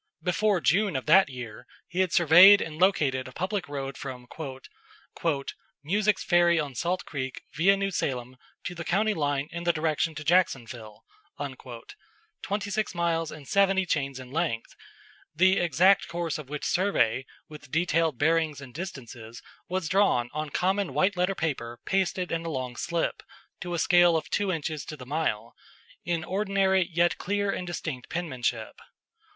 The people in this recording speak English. Before June of that year he had surveyed and located a public road from "Musick's Ferry on Salt Creek, via New Salem, to the county line in the direction to Jacksonville," twenty six miles and seventy chains in length, the exact course of which survey, with detailed bearings and distances, was drawn on common white letter paper pasted in a long slip, to a scale of two inches to the mile, in ordinary yet clear and distinct penmanship.